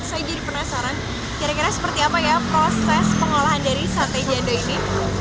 saya jadi penasaran kira kira seperti apa ya proses pengolahan dari sate jando ini